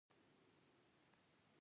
اوبه د طبیعت سکون ده.